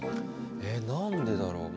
えっ何でだろう？